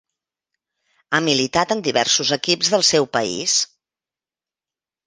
Ha militat en diversos equips del seu país.